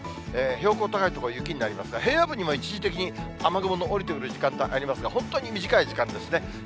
標高高い所、雪になりますが、平野部にも一時的に雨雲の降りてくる時間帯がありますが、本当に短い時間ですね。